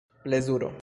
plezuro